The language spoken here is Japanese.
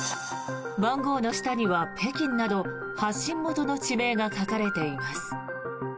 番号の下には北京など発信元の地名が書かれています。